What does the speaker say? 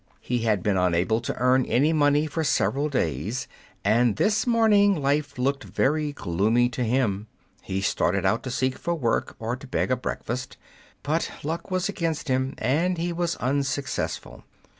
He had been unable to earn any money for several days, and this morning life looked very gloomy to him. He started out to seek for work or to beg a breakfast; but luck was against him, and he was unsuccessful.